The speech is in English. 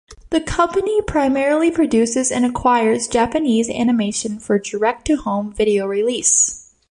The company primarily produces and acquires Japanese animation for direct-to-home video release.